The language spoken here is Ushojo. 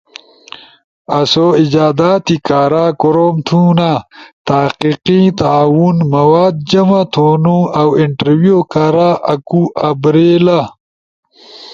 آسو ایجاداتی کارا کوروم تھونا، تحقیقی تعاون، مواد جمع تھونو، اؤ انٹرویو کارا آکو ابر